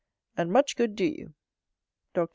And much good do you! Dr. T.